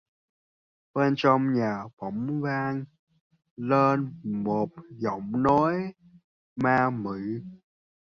Bên trong nhà bỗng vang lên một giọng nói ma mị